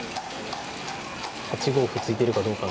８五歩突いてるかどうかの違いで。